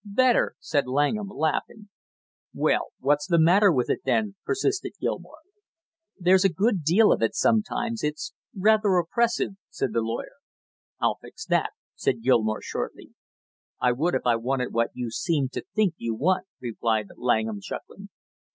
"Better!" said Langham, laughing. "Well, what's the matter with it, then?" persisted Gilmore. "There's a good deal of it sometimes, it's rather oppressive " said the lawyer. "I'll fix that," said Gilmore shortly. "I would if I wanted what you seem to think you want," replied Langham chuckling.